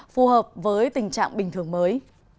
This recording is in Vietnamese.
phù hợp với tình trạng bình thường mới